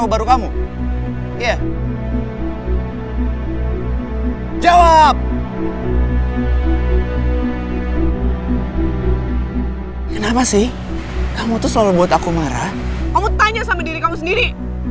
aku tanya sama diri kamu sendiri